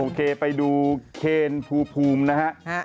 โอเคไปดูเคนภูมินะฮะ